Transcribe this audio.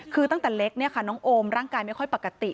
คือตั้งแต่เล็กเนี่ยค่ะน้องโอมร่างกายไม่ค่อยปกติ